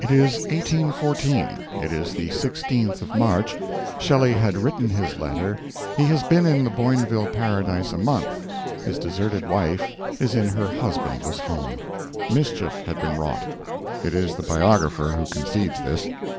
III It is 1814, it is the 16th of March, Shelley has written his letter, he has been in the Boinville paradise a month, his deserted wife is in her husbandless home. Mischief had been wrought. It is the biographer who concedes this.